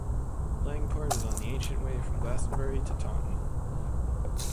Langport is on the ancient way from Glastonbury to Taunton.